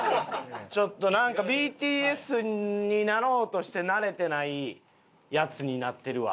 ちょっとなんかＢＴＳになろうとしてなれてないヤツになってるわ。